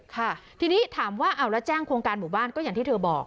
ค่ะทีนี้ถามว่าเอาแล้วแจ้งโครงการหมู่บ้านก็อย่างที่เธอบอก